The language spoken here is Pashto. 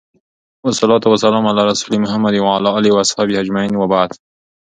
والصلوة والسلام على رسوله محمد وعلى اله واصحابه اجمعين وبعد